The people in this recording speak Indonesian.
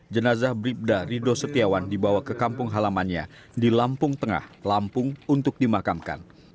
jenazah bribda rido setiawan dibawa ke kampung halamannya di lampung tengah lampung untuk dimakamkan